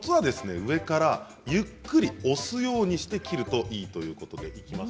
上からゆっくり押すようにして切るといいといいます。